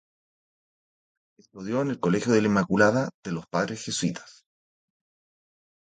Estudió en el Colegio de la Inmaculada, de los padres jesuitas.